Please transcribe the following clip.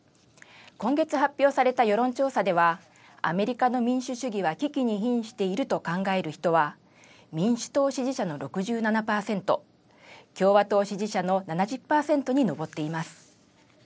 今月発表された世論調査では、アメリカの民主主義は危機に瀕していると考える人は、民主党支持者の６７％、共和党支持者の７０％に上っています。